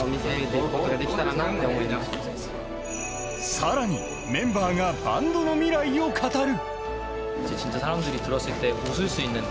更にメンバーがバンドの未来を語る。